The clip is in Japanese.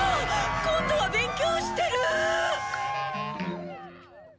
今度は勉強してる！